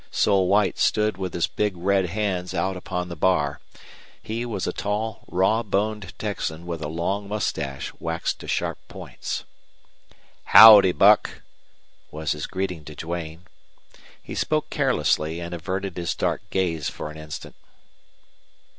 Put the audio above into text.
Sol White stood with his big red hands out upon the bar; he was a tall, raw boned Texan with a long mustache waxed to sharp points. "Howdy, Buck," was his greeting to Duane. He spoke carelessly and averted his dark gaze for an instant.